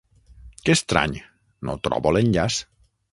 Que estrany, no trobo l'enllaç!